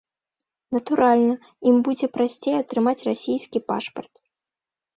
Натуральна, ім будзе прасцей атрымаць расійскі пашпарт.